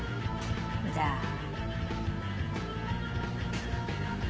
じゃあ。